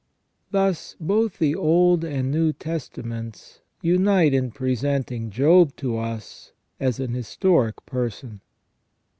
Thus, both the Old and New Testaments unite in presenting Job to us as an historic person.